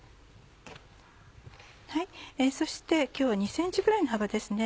そして今日は２ｃｍぐらいの幅ですね。